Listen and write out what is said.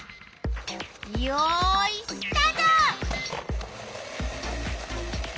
よいスタート！